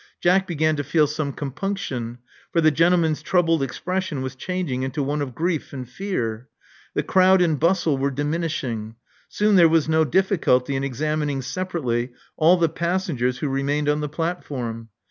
Jack began to feel some compunction; for the gentleman's troubled expression was changing into one of grief and fear. The crowd and bustle were diminishing. Soon there was no difficulty in examining separately all the passengers who remained on the platform.